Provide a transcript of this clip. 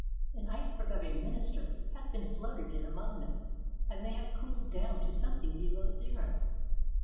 An iceberg of a minister has been floated in among them, and they have cooled down to something below zero.'